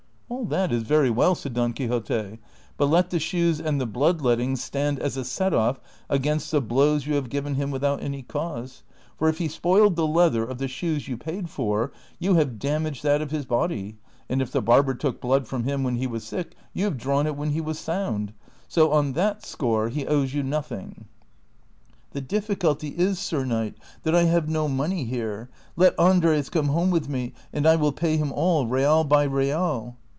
" All that is very well," said Don Quixote ;'' luit let the shoes and the blood lettings stand as a set off against the blows you have given him without any cause ; for if he spoiled the leather of the shoes you })aid for, you have damaged that of his body, and if the barber took blood from him when he was sick, you have drawn it when he was sound ; so on that score he owes you nothing." " The difficulty is. Sir Knight,^ that I have no money here ; let Andres come home with me, and I will pay him all, real by real."